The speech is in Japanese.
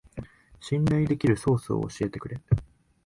信頼できるソースを教えてくれ